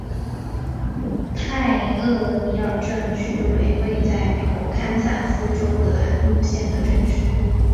派厄尼尔镇区为位在美国堪萨斯州葛兰姆县的镇区。